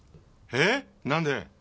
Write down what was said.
ええ！？何で？